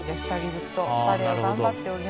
ずっとバレエを頑張っております。